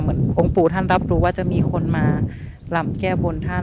องค์ปู่ท่านรับรู้ว่าจะมีคนมาลำแก้บนท่าน